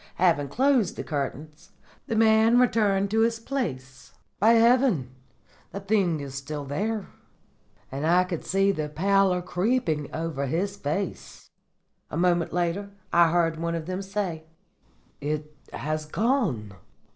Having closed the curtains, the man returned to his place. "'By heaven!' he cried, 'the thing is still there!' And I could see the pallor creeping over his face. "A moment later I heard one of them say, 'It has gone.